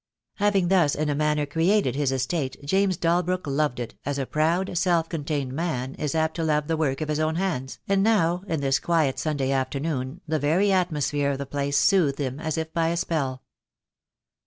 „ Having thus in a manner created his estate James Dalbrook loved it, as a proud, self contained man is apt THE DAY WILL COME. 12 1 to love the work of his own hands, and now in this quiet Sunday afternoon the very atmosphere of the place soothed him, as if by a spell.